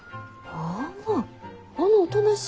あああのおとなしい。